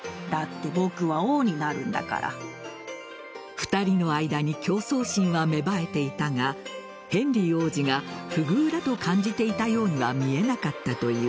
２人の間に競争心は芽生えていたがヘンリー王子が不遇だと感じていたようには見えなかったという。